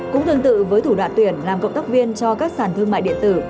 cũng tương tự với thủ đoạn tuyển làm cộng tác viên cho các sản thương mại điện tử